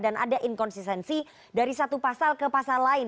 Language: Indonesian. dan ada inkonsistensi dari satu pasal ke pasal lain